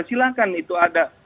silahkan itu ada